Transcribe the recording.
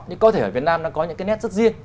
nhưng có thể ở việt nam nó có những cái nét rất riêng